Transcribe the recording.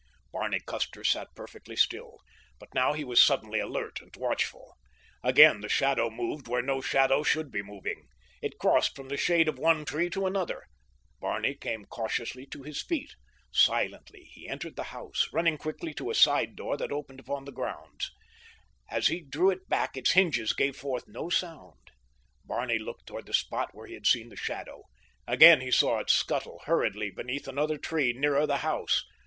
Barney Custer sat perfectly still, but now he was suddenly alert and watchful. Again the shadow moved where no shadow should be moving. It crossed from the shade of one tree to another. Barney came cautiously to his feet. Silently he entered the house, running quickly to a side door that opened upon the grounds. As he drew it back its hinges gave forth no sound. Barney looked toward the spot where he had seen the shadow. Again he saw it scuttle hurriedly beneath another tree nearer the house.